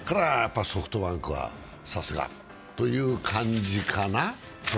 ソフトバンクは、さすがという感じかな。